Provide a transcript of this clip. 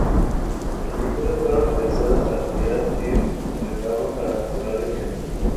Las pinturas fueron localizadas al retirar el retablo para restaurar el templo.